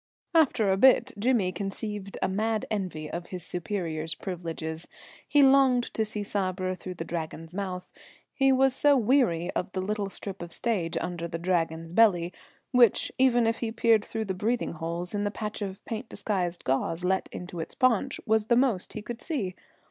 After a bit Jimmy conceived a mad envy of his superior's privileges; he longed to see Sabra through the Dragon's mouth. He was so weary of the little strip of stage under the Dragon's belly, which, even if he peered through the breathing holes in the patch of paint disguised gauze let into its paunch, was the most he could see.